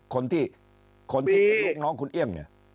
คนที่คนที่เป็นลูกน้องคุณเอี่ยงเนี่ย